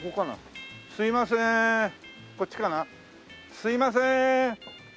すいませーん！